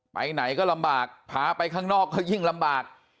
ไปไหนก็ลำบากพาไปข้างนอกก็ยิ่งลำบาก